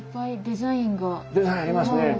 デザインありますね。